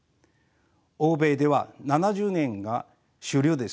欧米では７０年が主流です。